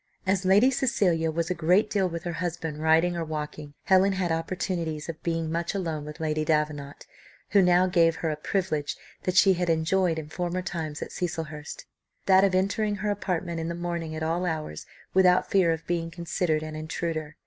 As Lady Cecilia was a great deal with her husband riding or walking, Helen had opportunities of being much alone with Lady Davenant, who now gave her a privilege that she had enjoyed in former times at Cecilhurst, that of entering her apartment in the morning at all hours without fear of being considered an intruder.